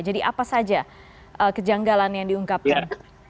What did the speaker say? jadi apa saja kejanggalan yang diungkapkan